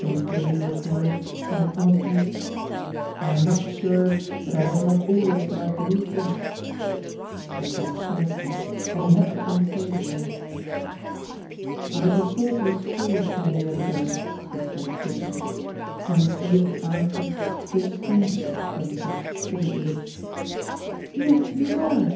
McLean replied, quite honestly, "I am not sure that I did not always like you best," but that hurt her, and he had to unsay the words. "I was a thoughtless fool ten years ago," he said, bitterly, and Miss Ailie's answer came strangely from such timid lips. "Yes, you were!"